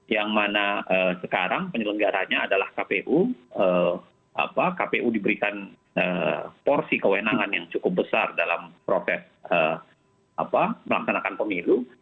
yang mana sekarang penyelenggaranya adalah kpu kpu diberikan porsi kewenangan yang cukup besar dalam proses melaksanakan pemilu